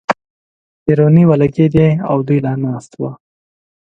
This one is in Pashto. پېرونی ولګېدې او دوی لا ناست ول.